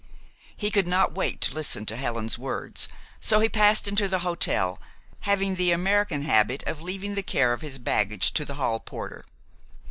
He could not wait to listen to Helen's words, so he passed into the hotel, having the American habit of leaving the care of his baggage to the hall porter.